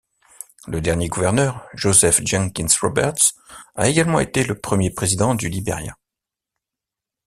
Le dernier gouverneur, Joseph Jenkins Roberts, a également été le premier président du Liberia.